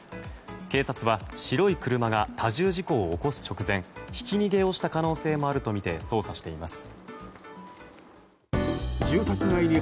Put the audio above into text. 警察は白い車が多重事故を起こす直前ひき逃げをした可能性もあるとみて捜査しています。